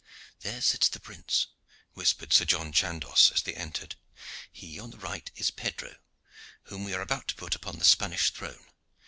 "There sits the prince," whispered Sir John Chandos, as they entered. "He on the right is Pedro, whom we are about to put upon the Spanish throne.